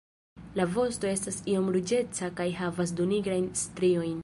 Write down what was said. La vosto estas iom ruĝeca kaj havas du nigrajn striojn.